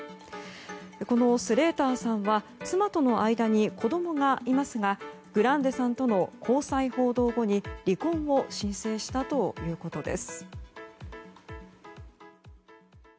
このスレーターさんは妻との間に子供がいますがグランデさんとの交際報道後に離婚を申請したということです。